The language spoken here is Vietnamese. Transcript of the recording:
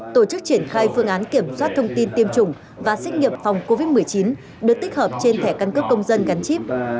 tổ chức triển khai phương án kiểm soát thông tin tiêm chủng và xét nghiệm phòng covid một mươi chín được tích hợp trên thẻ căn cước công dân gắn chip